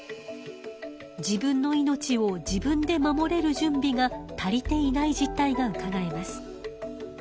自分の命を自分で守れる準備が足りていない実態がうかがえます。